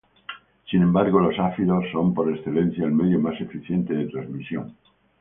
Sin embargo, los áfidos son por excelencia el medio más eficiente de trasmisión.